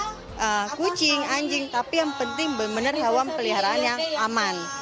bukan kucing anjing tapi yang penting benar benar hewan peliharaan yang aman